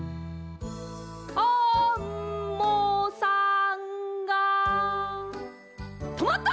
アンモさんがとまった！